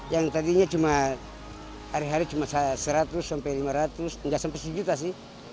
yang tadinya cuma hari hari cuma seratus sampai lima ratus enggak sampai satu juta sih